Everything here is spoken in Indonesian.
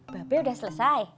bape udah selesai